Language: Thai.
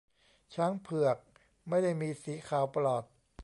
ช้างเผือก ไม่ได้มีสีขาวปลอด